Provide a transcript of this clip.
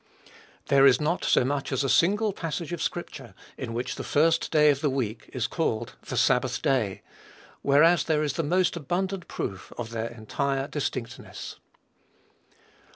There is not so much as a single passage of scripture in which the first day of the week is called the sabbath day; whereas there is the most abundant proof of their entire distinctness.